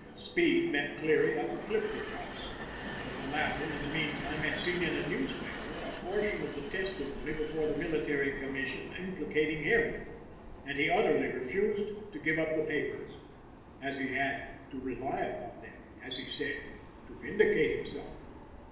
Speed met Cleary at the Clifton House, but the latter, in the meanwhile, had seen in a newspaper a portion of the testimony before the Military Commission implicating him, and he utterly refused to give up the papers, as he had to rely upon them, as he said, to vindicate himself.